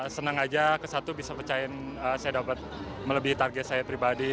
senang aja ke satu bisa pecahin saya dapat melebihi target saya pribadi